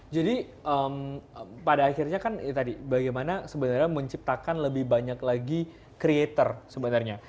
jadi pada akhirnya kan ini tadi bagaimana sebenarnya menciptakan lebih banyak lagi creator sebenarnya